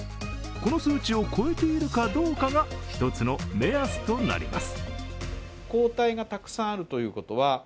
この数値を超えているかどうかが一つの目安となります。